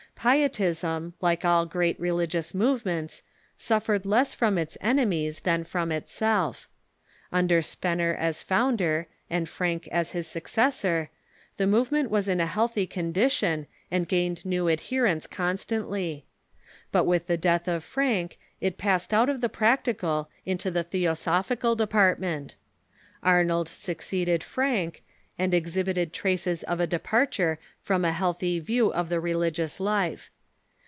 Pietism, like all great religious movements, suffered less from its enemies than from itself. Under Spener as founder, and Francke as his successor, the movement was in p'iet'isni° ^ healthy condition, and gained new adherents con stantly. But with the death of Francke it passed out of the practical into the theosophical department. Arnold succeeded Francke, and exhibited traces of a departure from a healthy view of the religious life.